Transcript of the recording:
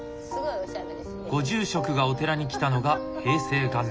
ご住職がお寺に来たのが平成元年。